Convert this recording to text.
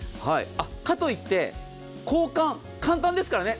かといって交換、簡単ですからね。